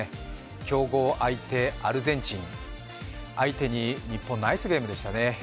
強豪のアルゼンチンを相手に日本ナイスゲームでしたね。